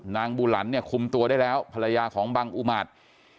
บูหลันเนี่ยคุมตัวได้แล้วภรรยาของบังอุมาตร